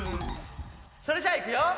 ・それじゃあいくよ！